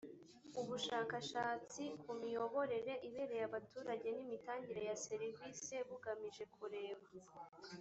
ubushakashatsi ku miyoborere ibereye abaturage n imitangire ya serivisi bugamije kureba